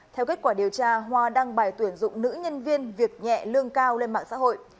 theo kết quả điều tra hoa đăng bài tuyển dụng nữ nhân viên việc nhẹ lương cao lên mạng xã hội